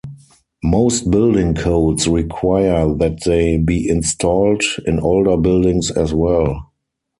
Most building codes require that they be installed in older buildings as well.